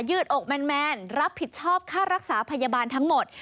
ืดอกแมนรับผิดชอบค่ารักษาพยาบาลทั้งหมด